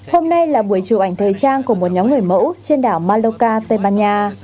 hôm nay là buổi chụp ảnh thời trang của một nhóm người mẫu trên đảo maloka tây ban nha